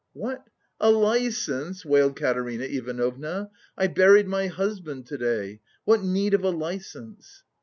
"What, a license?" wailed Katerina Ivanovna. "I buried my husband to day. What need of a license?"